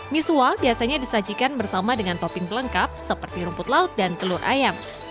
misua biasanya disajikan bersama dengan topping pelengkap seperti rumput laut dan telur ayam